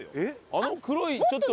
あの黒いちょっと。